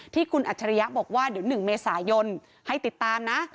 ที่คุณอัจฉริยะบอกว่าเดี๋ยว๑เมษายนให้ติดตามนะ